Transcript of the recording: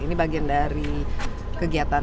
ini bagian dari kegiatan